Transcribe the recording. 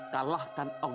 dan menangkan kebenaranmu